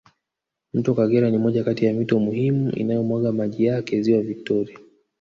Mto kagera ni moja Kati ya mito muhimu inayo mwaga maji yake ziwa victoria